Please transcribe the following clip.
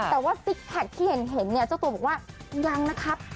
แต่ว่าซิกแพคที่เห็นเนี่ยเจ้าตัวบอกว่ายังนะครับ